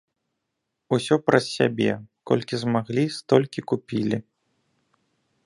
Усё праз сябе, колькі змаглі, столькі купілі.